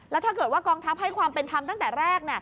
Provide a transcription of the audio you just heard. แล้วถ้าเกิดว่ากองทัพให้ความเป็นธรรมตั้งแต่แรก